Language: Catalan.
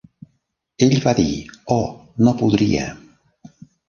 Ell va dir: "Oh, no podria".